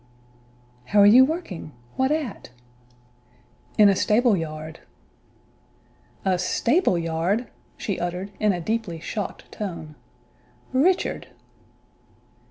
"How are you working? What at?" "In a stable yard." "A stable yard!" she uttered, in a deeply shocked tone. "Richard!"